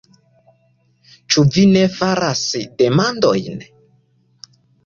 Ĉu vi ne faras demandojn?